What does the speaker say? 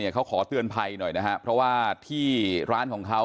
เขาขอเตือนภัยหน่อยนะครับเพราะว่าที่ร้านของเขา